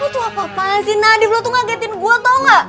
lo tuh apa apaan sih nadif lo tuh ngagetin gue tau gak